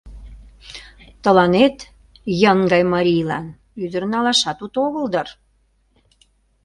— Тыланет, йын гай марийлан, ӱдыр налашат уто огыл дыр?